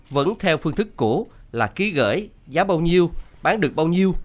vẫn theo phương thức cũ là ký gửi giá bao nhiêu bán được bao nhiêu